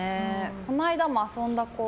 この間も遊んだ子